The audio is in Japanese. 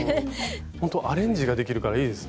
アレンジができるからいいですね。